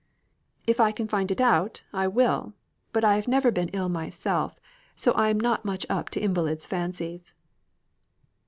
"If I can find it out, I will. But I have never been ill myself, so I am not much up to invalids' fancies."